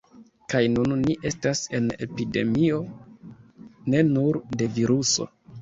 Kaj nun ni estas en epidemio ne nur de viruso